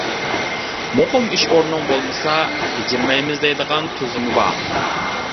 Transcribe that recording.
مۇقىم ئىش ئورنۇڭ بولمىسا، بېجىرمەيمىز دەيدىغان تۈزۈمى بار.